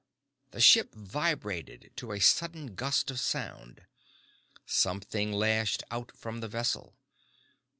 _ The ship vibrated to a sudden gust of sound. Something lashed out from the vessel.